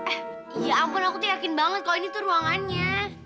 eh ya ampun aku tuh yakin banget kok ini tuh ruangannya